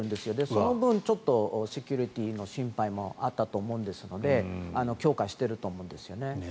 その分、セキュリティーの心配もあったと思いますので強化していると思うんですね。